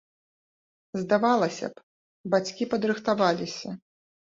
Здавалася б, бацькі падрыхтаваліся.